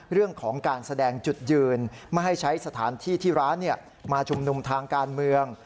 เรื่องของการแสดงจุดยืนไม่ให้ใช้สถานที่ที่ร้านมาชุมนุมทางการเมือง